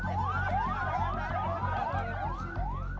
pada berlarian keluar